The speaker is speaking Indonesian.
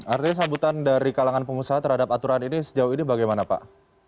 artinya sambutan dari kalangan pengusaha terhadap aturan ini sejauh ini bagaimana pak